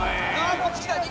こっち来た。